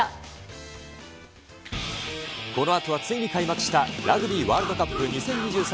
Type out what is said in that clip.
このあとは、ついに開幕したラグビーワールドカップ２０２３